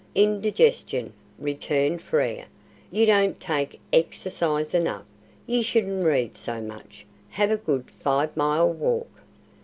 "Indigestion," returned Frere. "You don't take exercise enough. You shouldn't read so much. Have a good five mile walk."